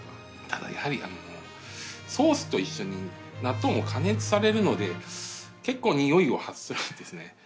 ただやはりソースと一緒に納豆も加熱されるので結構においを発するんですね。